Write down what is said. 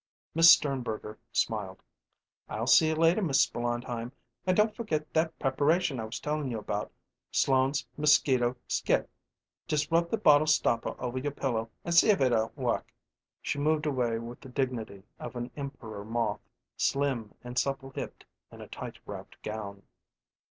Miss Sternberger smiled. "I'll see you later, Mrs. Blondheim; and don't forget that preparation I was tellin' you about Sloand's Mosquito Skit. Just rub the bottle stopper over your pillow and see if it don't work." She moved away with the dignity of an emperor moth, slim and supple hipped in a tight wrapped gown.